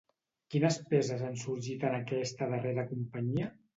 Quines peces han sorgit en aquesta darrera companyia?